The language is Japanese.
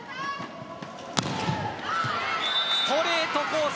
ストレートコース